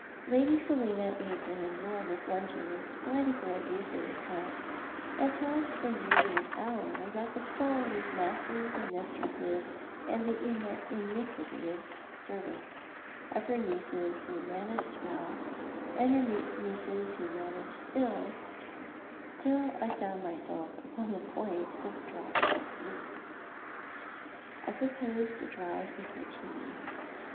Lady Selina ate an enormoi;s luncheon in spite of her abuse of the cook, and talked for nearly an hour about the folly of masters and mistresses and the iniquity of servants: of her nieces who managed well, and her nieces who managed ill; till I found myself upon the point of dropping asleep. I proposed a drive before tea.